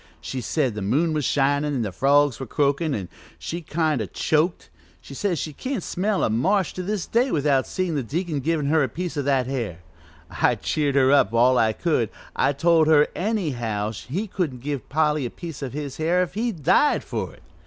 She said the moon was shinin' an' the frogs were croakin', an' she kind o' choked; she says she can't smell a marsh to this day without seein' the deacon givin' her that piece of hair. I cheered her up all I could I told her anyhow he couldn't give Polly a piece of his hair if he died for it.